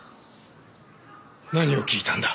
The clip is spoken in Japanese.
何を聞いたんだ？